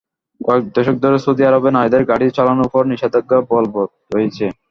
কয়েক দশক ধরে সৌদি আরবে নারীদের গাড়ি চালানোর ওপর নিষেধাজ্ঞা বলবৎ রয়েছে।